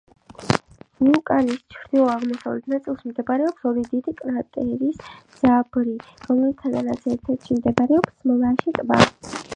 ვულკანის ჩრდილო-აღმოსავლეთ ნაწილში მდებარეობს ორი დიდი კრატერის ძაბრი, რომელთაგან ერთში მდებარეობს მლაშე ტბა.